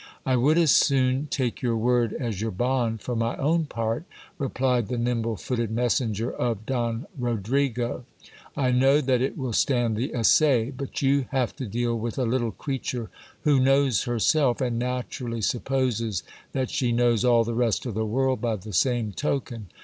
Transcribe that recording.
I would as soon take your word as your bond, for my own part, replied the nimble footed messenger of Don Rodrigo ; I know that it will stand the assay ; but you have to deal with a little creature who knows herself, and naturally supposes that she knows all the rest of the world by the same token.